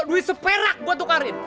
duit seperak gua tukarin